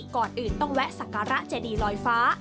ก่อนอื่นต้องแวะสักการะเจดีลอยฟ้า